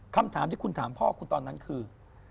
คำถามที่คุณถามพ่อคุณตอนนั้นคือ